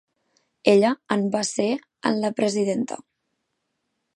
Ella en va ser en la presidenta.